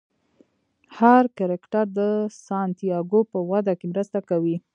هر کرکټر د سانتیاګو په وده کې مرسته کوي.